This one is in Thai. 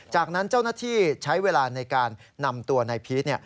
จากนั้นเจ้าหน้าที่ใช้เวลาในการนำตัวนายพีช